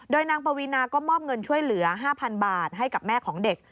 นางปวีนาก็มอบเงินช่วยเหลือ๕๐๐๐บาทให้กับแม่ของเด็ก